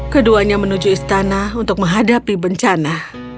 keduanya menuju istana untuk menghadapi bencana